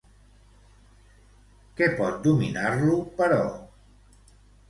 Què pot dominar-lo, però?